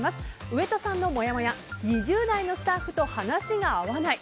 上戸さんのもやもや２０代のスタッフと話が合わない。